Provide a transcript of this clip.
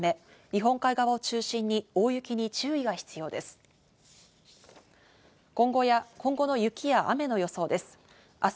今後の雪や雨の予想です。